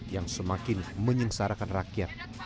yang semakin menyengsarakan rakyat